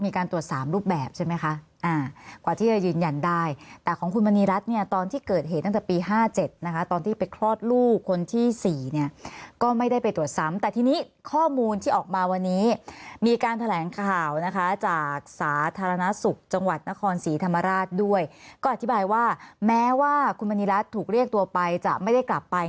มีการตรวจสามรูปแบบใช่ไหมคะกว่าที่จะยืนยันได้แต่ของคุณมณีรัฐเนี่ยตอนที่เกิดเหตุตั้งแต่ปี๕๗นะคะตอนที่ไปคลอดลูกคนที่สี่เนี่ยก็ไม่ได้ไปตรวจซ้ำแต่ทีนี้ข้อมูลที่ออกมาวันนี้มีการแถลงข่าวนะคะจากสาธารณสุขจังหวัดนครศรีธรรมราชด้วยก็อธิบายว่าแม้ว่าคุณมณีรัฐถูกเรียกตัวไปจะไม่ได้กลับไป